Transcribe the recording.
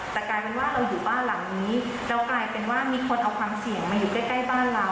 แต่กลายเป็นว่าเราอยู่บ้านหลังนี้แล้วกลายเป็นว่ามีคนเอาความเสี่ยงมาอยู่ใกล้บ้านเรา